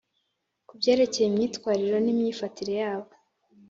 Ku byerekeye imyitwarire n imyifatire yabo